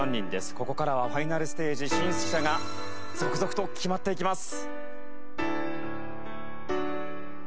ここからはファイナルステージ進出者が続々と決まっていきます。